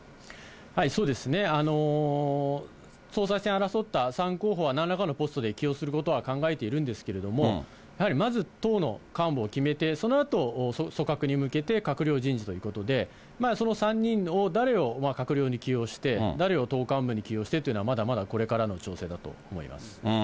そうですね、総裁選争った３候補は、なんらかのポストで起用することは考えているんですけれども、やはりまず、党の幹部を決めて、そのあと組閣に向けて閣僚人事ということで、その３人の誰を閣僚に起用して、誰を党幹部に起用してというのは、まだまだこれからの調整だと思います。